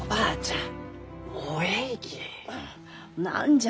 ん何じゃ？